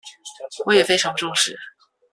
我也非常重視